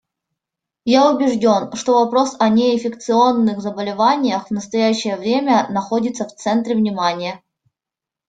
Я убежден, что вопрос о неинфекционных заболеваниях в настоящее время находится в центре внимания.